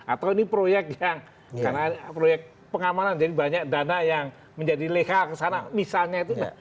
atau ini proyek yang karena proyek pengamanan jadi banyak dana yang menjadi leha kesana misalnya itu